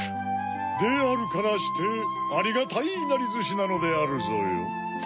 であるからしてありがたいいなりずしなのであるぞよ。